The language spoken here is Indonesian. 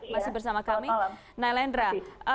masih bersama kami naylendra